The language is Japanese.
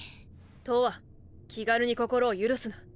とわ気軽に心を許すな。